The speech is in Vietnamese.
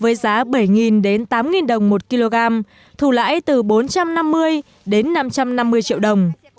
với giá bảy đến tám đồng một kg thù lãi từ bốn trăm năm mươi đến năm trăm năm mươi triệu đồng